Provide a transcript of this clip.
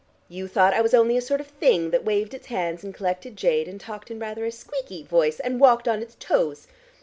You thought I was only a sort of thing that waved its hands and collected jade, and talked in rather a squeaky voice, and walked on its toes.